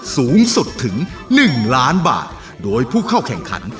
สูงสุดถึงหนึ่งล้านบาทโดยผู้เข้าแข่งขัน